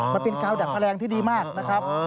มันเป็นกาวดัดแมลงที่ดีมากนะครับ